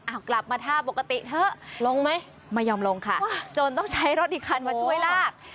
เอากลับมาท่าปกติเถอะลงไหมไม่ยอมลงค่ะจนต้องใช้รถอีกคันมาช่วยลาก